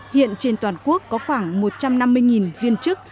hiện trên toàn quốc có khoảng một trăm năm mươi viên chức